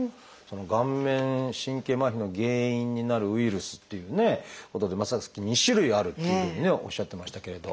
顔面神経麻痺の原因になるウイルスっていうことでさっき２種類あるっていうふうにおっしゃってましたけれど。